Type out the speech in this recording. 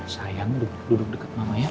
sayang duduk deket mama ya